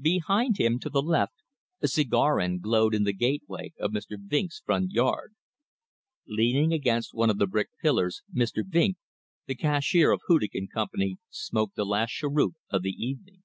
Behind him to the left a cigar end glowed in the gateway of Mr. Vinck's front yard. Leaning against one of the brick pillars, Mr. Vinck, the cashier of Hudig & Co., smoked the last cheroot of the evening.